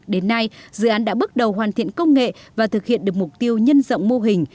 đến nay dự án đã bước đầu hoàn thiện công nghệ và thực hiện được mục tiêu nhân rộng mô hình